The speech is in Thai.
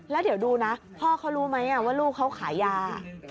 แล้วเดี๋ยวดูนะพ่อเขารู้ไหมว่าลูกเขาขายยา